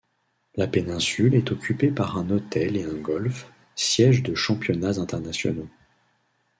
La péninsule est occupée par un hôtel et un golf, siège de championnats internationaux.